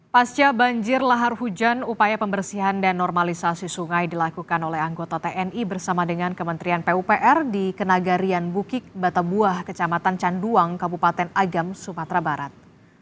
pasca banjir lahar hujan upaya pembersihan dan normalisasi sungai dilakukan oleh anggota tni bersama dengan kementerian pupr di kenagarian bukik batabuah kecamatan canduang kabupaten agam sumatera barat